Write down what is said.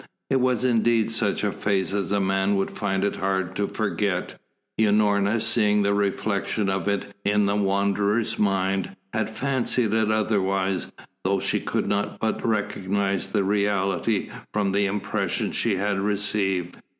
It was indeed such a face as a man would find it hard to forget. Unorna, seeing the reflection of it in the Wanderer's mind, had fancied it otherwise, though she could not but recognise the reality from the impression she had received.